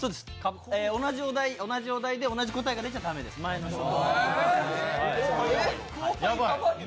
同じお題で同じ答えが出ちゃ駄目です、前の人と。